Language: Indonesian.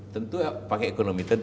tentu ya pakai ekonomi tentu